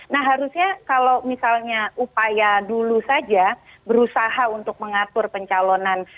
nah harusnya kalau misalnya upaya dulu saja berusaha untuk mengatur pencalonan